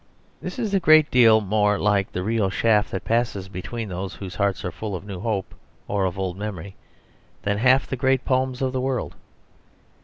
This is a great deal more like the real chaff that passes between those whose hearts are full of new hope or of old memory than half the great poems of the world.